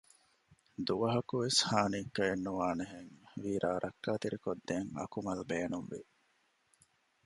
ދުވަހަކުވެސް ހާނީއްކައެއް ނުވާނެހެން ވީރާ ރައްކާތެރިކޮށްދޭން އަކުމަލް ބޭނުންވި